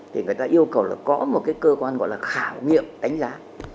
thì người ta yêu cầu là có một cái cơ quan gọi là khảo nghiệm đánh giá